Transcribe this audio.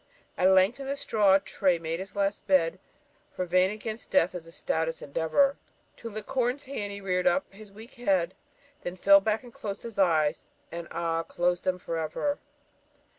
At length, in the straw, Tray made his last bed For vain against death is the stoutest endeavour To lick Corin's hand he rear'd up his weak head, Then fell back, closed his eyes, and ah! closed them for ever.